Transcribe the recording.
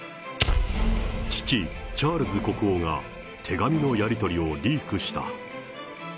父、チャールズ国王が手紙のやり取りをリークした。